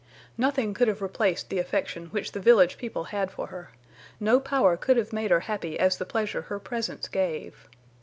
Nothing could have replaced the affection which the village people had for her; no power could have made her happy as the pleasure her presence gave.